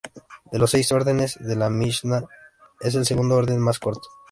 De los seis órdenes de la Mishná, es el segundo orden más corto.